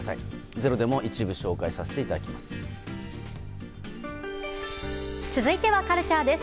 「ｚｅｒｏ」でも一部紹介させていただきます。